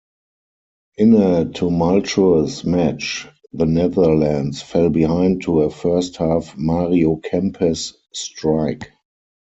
In a tumultuous match, the Netherlands fell behind to a first-half Mario Kempes strike.